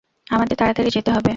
আমাদের তাড়াতাড়ি যেতে হবে!